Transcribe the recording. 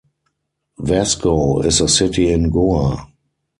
Vasco is a city in Goa.